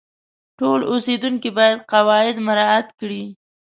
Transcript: ټول اوسیدونکي باید قواعد مراعات کړي.